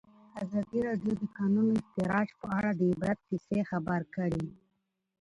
ازادي راډیو د د کانونو استخراج په اړه د عبرت کیسې خبر کړي.